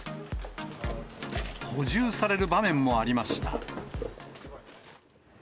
補充される場面もありました。